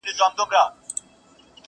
خپل اوبه وجود راټولومه نور ,